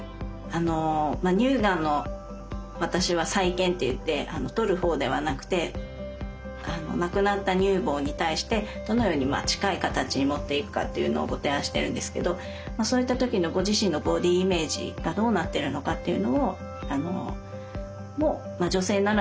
乳がんの私は再建っていって取る方ではなくてなくなった乳房に対してどのように近い形に持っていくかっていうのをご提案してるんですけどそういった時のご自身のボディーイメージがどうなってるのかっていうのもまあ女性ならでは。